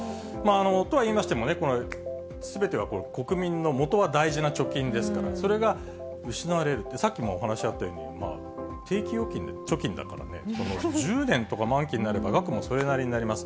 とはいいましてもね、すべてはこれ、国民のもとは大事な貯金ですから、それが失われるって、さっきもお話あったように、定期預金の貯金だからね、１０年とか、満期になるから額もそれなりになります。